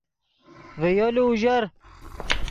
ڤے یولو اوژر